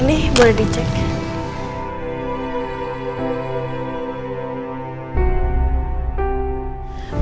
ini boleh dicek